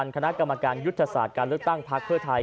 การยุทธศาสตร์การลึกตั้งพักเพื่อไทย